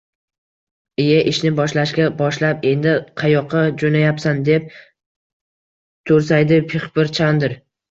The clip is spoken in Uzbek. – Iye, ishni boshlashga boshlab, endi qayoqqa jo‘nayapsan? – deb to‘rsaydi Pixpix Chandr